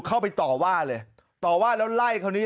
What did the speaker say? เข้าไปต่อว่าเลยต่อว่าแล้วไล่คราวนี้